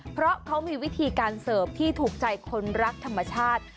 เพราะเขามีวิธีการเสิร์ฟที่ถูกใจคนรักธรรมชาติ